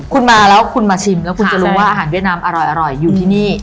คุณมาแล้วคุณมาชิมแล้วคุณจะรู้ว่าอาหารเวียดนามอร่อยอยู่ที่นี่